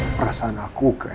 perasaan aku ke nong